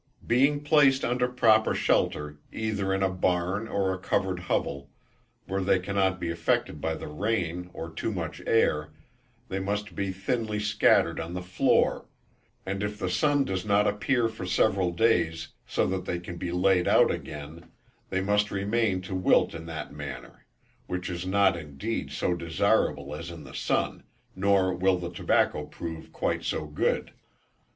Being placed under proper shelter, either in a barn or a covered hovel, where they cannot be affected by the rain or too much air, they must be thinly scattered on the floor, and if the sun does not appear for several days, so that they can be laid out again, they must remain to wilt in that manner; which is not indeed so desirable as in the sun, nor will the tobacco prove quite so good.